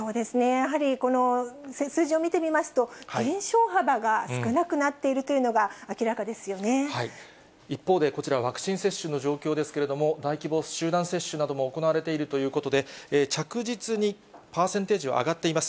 やはりこの数字を見てみますと、減少幅が少なくなっているというのが明らかです一方で、こちら、ワクチン接種の状況ですけれども、大規模集団接種なども行われているということで、着実にパーセンテージは上がっています。